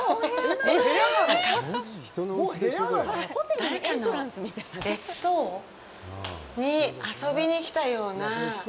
なんか、こう、誰かの別荘に遊びに来たような。